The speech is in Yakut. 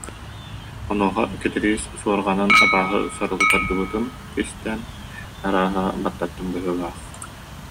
Онуоха Кэтириис суорҕанын абааһы саралыы тардыбытын кистээн: «Арааһа, баттаттым быһыылаах